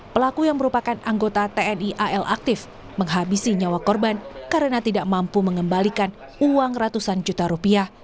pelaku yang merupakan anggota tni al aktif menghabisi nyawa korban karena tidak mampu mengembalikan uang ratusan juta rupiah